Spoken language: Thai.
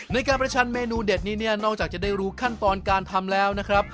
ในการประชันเมนูเด็ดนี้เนี่ยนอกจากจะได้รู้ขั้นตอนการทำแล้วนะครับ